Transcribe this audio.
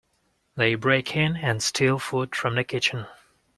They break in and steal food from the kitchen.